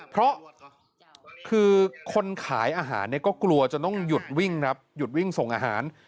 เพราะคือคนขายอาหารก็กลัวจะต้องหยุดวิ่งส่งอาหาร